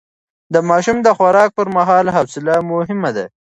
د ماشوم د خوراک پر مهال حوصله مهمه ده.